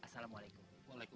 saya pergi dulu